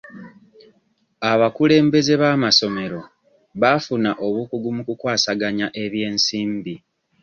Abakulembeze b'amasomero baafuna obukugu mu kukwasaganya eby'ensimbi.